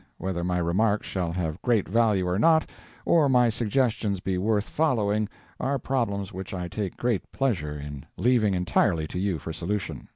Whether my remarks shall have great value or not, or my suggestions be worth following, are problems which I take great pleasure in leaving entirely to you for solution.